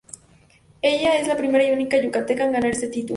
Ella es la primera y única Yucateca en ganar este título.